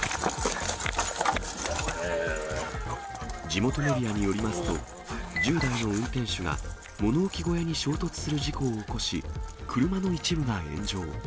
地元メディアによりますと、１０代の運転手が、物置小屋に衝突する事故を起こし、車の一部が炎上。